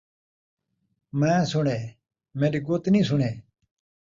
میں سݨے ، میݙی ڳُت نیں سُݨے